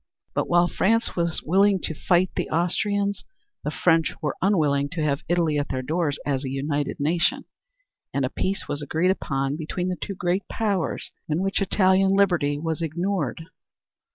But while France was willing to fight the Austrians, the French were unwilling to have Italy at their doors as a united nation, and a peace was agreed upon between the two great powers in which Italian liberty was ignored.